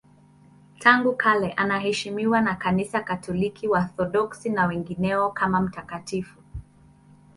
Tangu kale anaheshimiwa na Kanisa Katoliki, Waorthodoksi na wengineo kama mtakatifu.